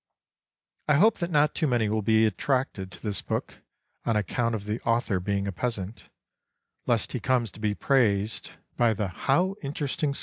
I hope that not too many will be attracted to this book on account of the author being a peas ant, lest he come to be praised by the how 12 INTRODUCTION interesting!